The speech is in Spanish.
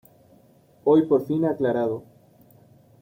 Hoy por fin aclarado.